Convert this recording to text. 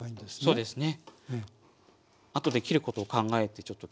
そうですね。